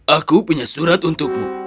aku punya surat untukmu